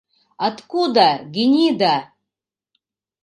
Откуда, гинида?